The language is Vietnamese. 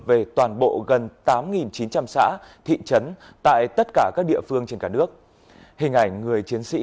về toàn bộ gần tám chín trăm linh xã thị trấn tại tất cả các địa phương trên cả nước hình ảnh người chiến sĩ